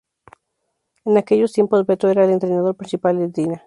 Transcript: En aquellos tiempos Beto era el entrenador principal del Dina.